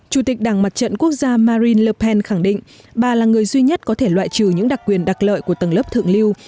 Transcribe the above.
chủ tịch đảng mặt trận quốc gia marine le pen khẳng định bà là người duy nhất có thể loại trừ những đặc quyền đặc lợi của tầng lớp thượng lưu